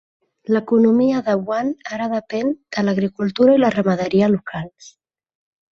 L'economia de Wann ara depèn de l'agricultura i la ramaderia locals.